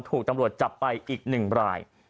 ถูกตำรวจจับไปอีก๑ราย